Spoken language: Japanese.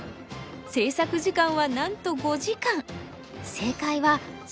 制作時間はなんと５時間。